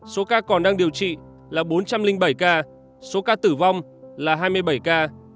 số ca còn đang điều trị là bốn trăm linh bảy ca số ca tử vong là hai mươi bảy ca